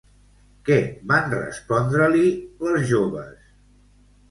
Què van respondre-li les joves?